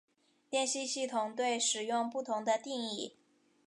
电信系统对使用不同的定义。